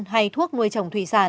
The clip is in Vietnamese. hay thuốc nuôi trồng